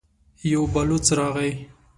يو بلوڅ راغی.